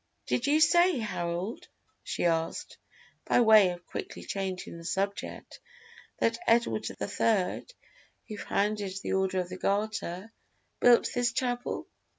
"Did you say, Harold," she asked, by way of quickly changing the subject, "that Edward the Third, who founded the Order of the Carter, built this chapel?"